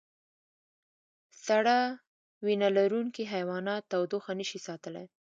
سړه وینه لرونکي حیوانات تودوخه نشي ساتلی